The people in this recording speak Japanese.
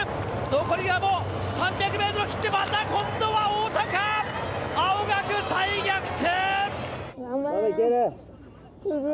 残りは３００ｍを切って、今度は太田が青学再逆転！